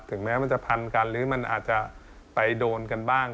แม้มันจะพันกันหรือมันอาจจะไปโดนกันบ้าง